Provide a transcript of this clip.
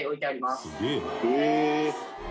「すげえな」